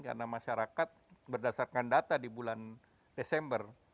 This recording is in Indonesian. karena masyarakat berdasarkan data di bulan desember